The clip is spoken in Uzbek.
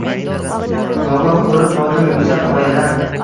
Nogoh ko’rib qoldim… Yuksak qoyadan